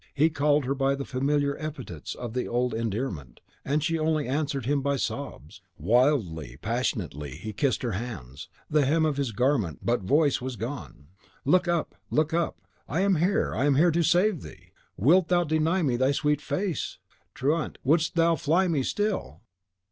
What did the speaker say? He called her by the familiar epithets of the old endearment, and she only answered him by sobs. Wildly, passionately, she kissed his hands, the hem of his garment, but voice was gone. "Look up, look up! I am here, I am here to save thee! Wilt thou deny to me thy sweet face? Truant, wouldst thou fly me still?"